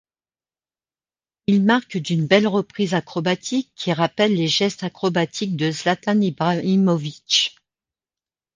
Il marque d'une belle reprise acrobatique qui rappelle les gestes acrobatiques de Zlatan Ibrahimovic.